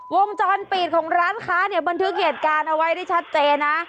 วงจรปิดของร้านค้าเนี่ยบันทึกเหตุการณ์เอาไว้ได้ชัดเจนนะ